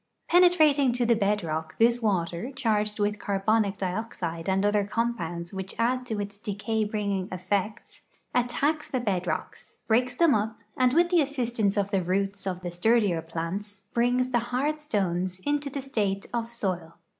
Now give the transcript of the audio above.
Penetrating to the bed rock, this water, charged with carbonic dioxide and other com pounds which add to its decay bringing effects, attacks the bed rocks, breaks them up, and with the assistance of the roots of the sturdier plants brings the hard stones into the state of soil.